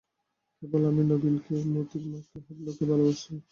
কেবল আমি নবীনকে, মোতির মাকে, হাবলুকে ভালোবাসি।